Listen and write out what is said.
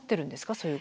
そういう。